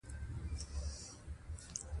هغه کس چې تر شا بېړۍ يې سوځولې وې بريالی شو.